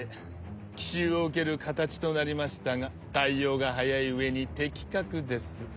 奇襲を受ける形となりましたが対応が早い上に的確です。